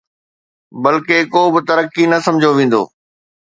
بلڪل ڪو به ترقي نه سمجهيو ويندو